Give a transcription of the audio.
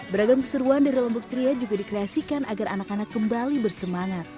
beragam keseruan dari lombok tria juga dikreasikan agar anak anak kembali bersemangat